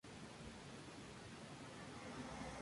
Posiblemente su función original fue la de hospital.